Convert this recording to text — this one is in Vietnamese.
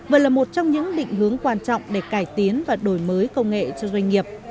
vừa là một trong những định hướng quan trọng để cải tiến và đổi mới công nghệ cho doanh nghiệp